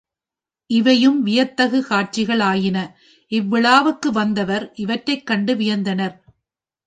இவையும் வியத்தகு காட்சிகள் ஆயின இவ்விழாவுக்கு வந்தவர் இவற்றைக் கண்டு வியந்தனர்.